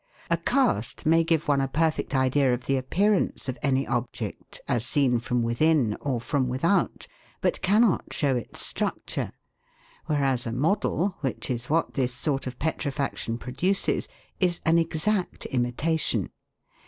A cast may give one a perfect idea of the appearance of any object, as seen from within or from without, but cannot show its structure ; whereas a model, which is what this sort of petrifaction produces, is an exact imitation.